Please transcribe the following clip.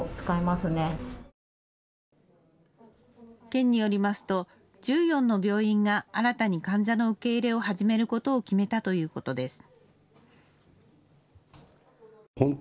県によりますと１４の病院が新たに患者の受け入れを始めることを決めたということです。